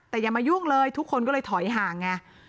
แต่อย่ามายุ่งเลยทุกคนก็เลยถอยห่างไง